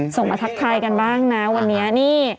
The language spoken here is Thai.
ส่งมาทักทายกันบ้างนะวันนี้นี่